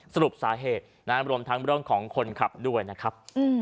สรุปสาเหตุรวมทั้งเรื่องของคนขับด้วยนะครับ